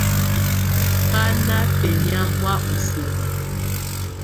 Bá ná bɛnɛ̀á hɔ̀á u sɛma.